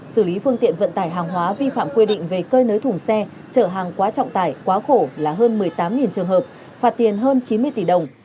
xử lý phương tiện vận tải hàng hóa vi phạm quy định về cơi nới thùng xe trở hàng quá trọng tải quá khổ là hơn một mươi tám trường hợp phạt tiền hơn chín mươi tỷ đồng